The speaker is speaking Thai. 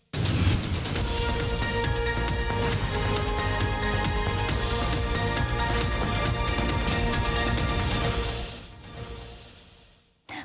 สักครู่